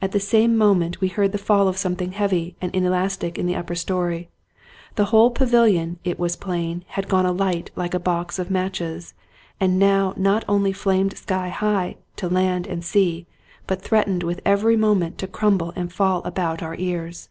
At the same moment we heard the fall of something heavy and inelastic in the upper story. The whole pavilion, it was plain, had gone alight like a box of matches, and now not only flamed sky high to land and sea, but threatened with every moment to crimible and fall in about our ears.